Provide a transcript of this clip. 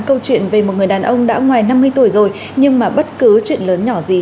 câu chuyện về một người đàn ông đã ngoài năm mươi tuổi rồi nhưng mà bất cứ chuyện lớn nhỏ gì